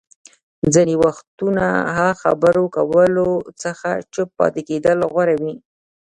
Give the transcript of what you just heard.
ځينې وختونه اه خبرو کولو څخه چوپ پاتې کېدل غوره وي.